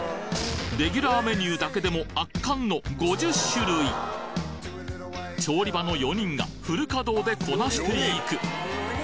レギュラーメニューだけでも圧巻の５０種類調理場の４人がフル稼働でこなしていく